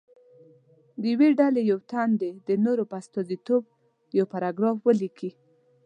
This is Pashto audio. د یوې ډلې یو تن دې د نورو په استازیتوب یو پاراګراف ولیکي.